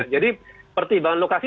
jadi pertimbangan lokasi